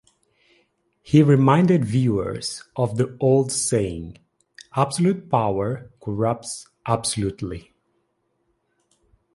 He reminded viewers of the old saying "absolute power corrupts absolutely".